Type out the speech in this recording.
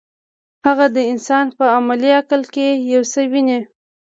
هغه د انسان په عملي عقل کې یو څه ویني.